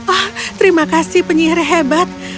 oh terima kasih penyiar hebat